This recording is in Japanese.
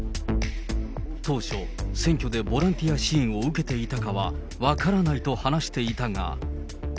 当初、選挙でボランティア支援を受けていたかは分からないと話していたが。